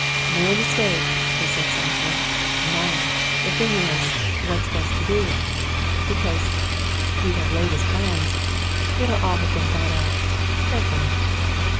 "No mistake!" he said softly. "None! The thing is what's best to do? Because he'd have laid his plans. It'll all have been thought out carefully."